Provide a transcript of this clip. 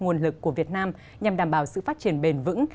nguồn lực của việt nam nhằm đảm bảo sự phát triển bền vững